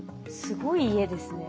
すごい家ですね。